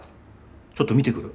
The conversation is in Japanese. ちょっと見てくる。